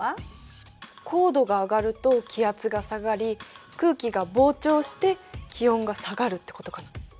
高度が上がると気圧が下がり空気が膨張して気温が下がるってことかな？